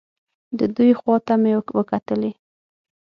د دوی خوا ته مې وکتلې.